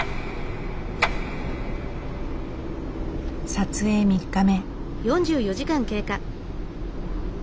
撮影３日目。